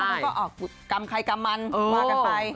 มันก็กำไข่กำมันมากันไป